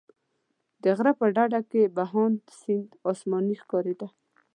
د غره په ډډه کې بهاند سیند اسماني ښکارېده.